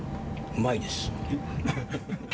うまいです。